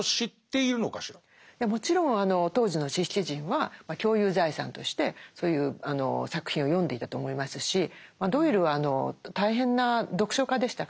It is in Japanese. もちろん当時の知識人は共有財産としてそういう作品を読んでいたと思いますしドイルは大変な読書家でしたから必ず読んでたと思うんですね。